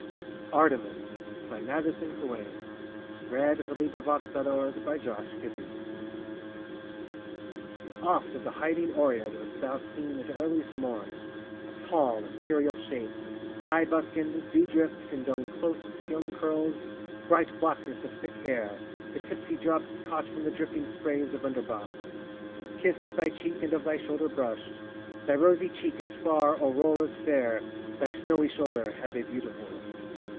rein embodied are The things that make the soul's immortal part. ARTEMIS Oft of the hiding Oread wast thou seen At earliest morn, a tall, imperial shape, High buskined, dew dripped, and on close, young curls, Bright blackness of thick hair, the tipsy drops Caught from the dripping sprays of under bosks, Kissed of thy cheek and of thy shoulder brushed, Thy rosy cheek as far Aurora's fair, Thy snowy shoulder Hebe beautiful.